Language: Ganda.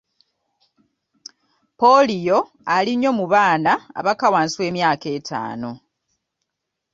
Ppoliyo ali nnyo mu baana abakka wansi w'emyaka ettaano.